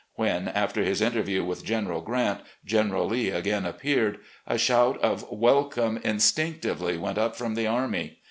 When, after his interview with General Grant, THE SURRENDER 153 General Lee again appeared, a shout of welcome instinc tively went up from the army.